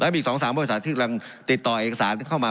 มีอีก๒๓บริษัทที่กำลังติดต่อเอกสารเข้ามา